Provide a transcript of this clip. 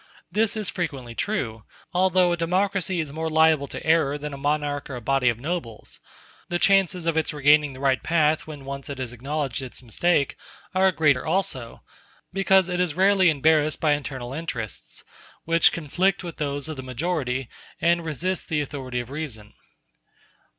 This is frequently true, although a democracy is more liable to error than a monarch or a body of nobles; the chances of its regaining the right path when once it has acknowledged its mistake, are greater also; because it is rarely embarrassed by internal interests, which conflict with those of the majority, and resist the authority of reason.